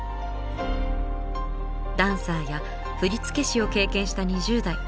ダンサーや振付師を経験した２０代。